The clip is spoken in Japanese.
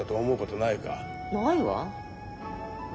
ないわ。